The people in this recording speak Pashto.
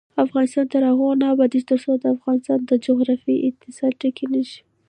افغانستان تر هغو نه ابادیږي، ترڅو د افغانستان جغرافیه د اتصال ټکی نشي.